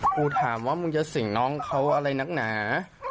กูถามว่ามึงจะสิ่งน้องเขาอะไรนักหนา